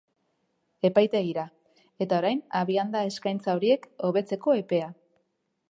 Epaitegira, eta orain abian da eskaintza horiek hobetzeko epea.